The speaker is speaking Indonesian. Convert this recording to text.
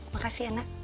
makasih ya nak